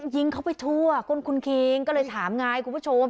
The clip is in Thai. ยิงเขาไปทั่วคุณคิงก็เลยถามไงคุณผู้ชม